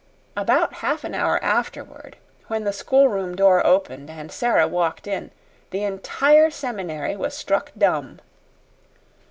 About half an hour afterward, when the schoolroom door opened and Sara walked in, the entire seminary was struck dumb.